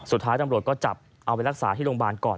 สุดท้ายตำรวจก็จับเอาไปรักษาที่โรงพยาบาลก่อน